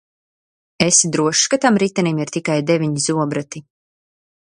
Esi drošs, ka tam ritenim ir tikai deviņi zobrati?